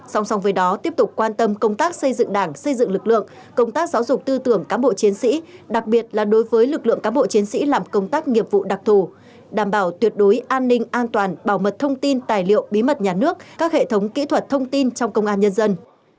song song với đó tiếp tục quan tâm công tác xây dựng đảng xây dựng lực lượng công tác giáo dục tư tưởng cán bộ chiến sĩ đặc biệt là đối với lực lượng cám bộ chiến sĩ làm công tác nghiệp vụ đặc thù đảm bảo tuyệt đối an ninh an toàn bảo mật thông tin tài liệu bí mật nhà nước các hệ thống kỹ thuật thông tin trong công an nhân dân